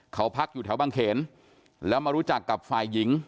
เขาพักอยู่แถวบางเขนแล้วมารู้จักกับฝ่ายหญิง